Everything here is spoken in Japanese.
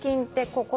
ここ。